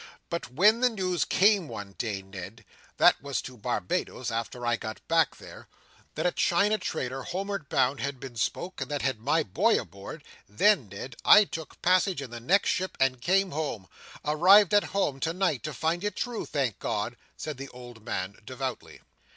"But when the news come one day, Ned,—that was to Barbados, after I got back there,—that a China trader home'ard bound had been spoke, that had my boy aboard, then, Ned, I took passage in the next ship and came home; arrived at home tonight to find it true, thank God!" said the old man, devoutly.